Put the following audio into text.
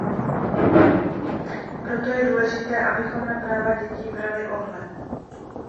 Proto je důležité, abychom na práva dětí brali ohled.